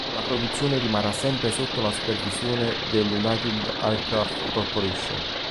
La produzione rimarrà sempre sotto la supervisione della United Aircraft Corporation.